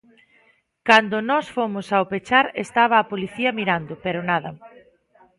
Cando nós fomos ao pechar estaba a policía mirando, pero nada.